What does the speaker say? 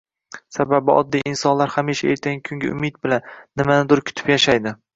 Sababi oddiy, insonlar hamisha ertangi kunga umid bilan, nimanidur kutib yashaydi.